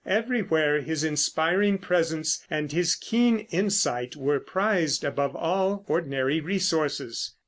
Everywhere his inspiring presence and his keen insight were prized above all ordinary resources.